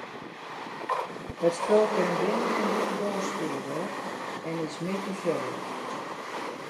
It spul kin binnen- en bûtendoar spile wurde en is middeifoljend.